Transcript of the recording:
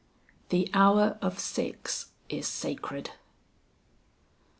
"THE HOUR OF SIX IS SACRED."